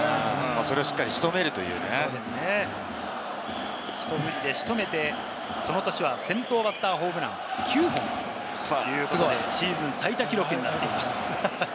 それをしっかり仕留めるひと振りで仕留めて、その年は先頭バッターホームラン９本というシーズン最多記録になっています。